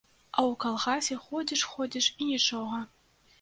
А ў калгасе ходзіш-ходзіш і нічога.